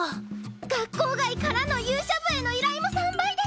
学校外からの勇者部への依頼も３倍です。